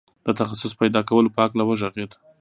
د تخصص پيدا کولو په هکله وغږېد.